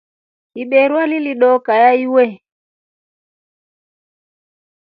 Ibero lilidookaya iwe.